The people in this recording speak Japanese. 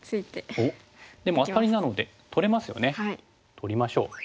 取りましょう。